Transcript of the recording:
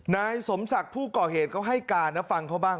นายสมศักดิ์ผู้ก่อเหตุเขาให้การนะฟังเขาบ้าง